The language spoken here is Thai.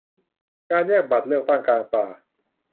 การแยกบัตรเลือกตั้งกลางป่า